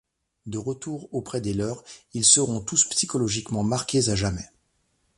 De retour auprès des leurs, ils seront tous psychologiquement marqués à jamais.